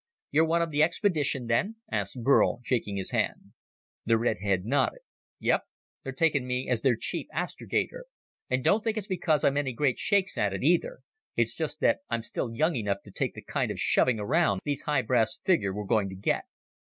"You're one of the expedition, then?" asked Burl, shaking his hand. The redhead nodded. "Yep. They're taking me as their chief astrogator. And don't think it's because I'm any great shakes at it, either! It's just that I'm still young enough to take the kind of shoving around these high brass figure we're going to get.